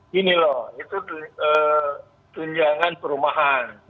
gini loh itu tunjangan perumahan